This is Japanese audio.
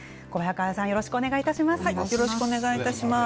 よろしくお願いします。